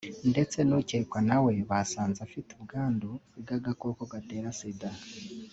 ndetse n’ukekwa na we basanze afite ubwandu bw’agakoko gatera Sida